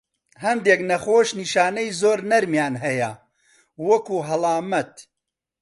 هەندێک نەخۆش نیشانەی زۆر نەرمیان هەیە، وەکو هەڵامەت.